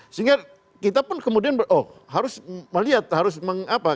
sehingga kita pun kemudian oh harus melihat harus mengapa